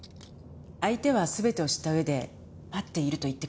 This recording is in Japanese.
相手は全てを知った上で待っていると言ってくれました。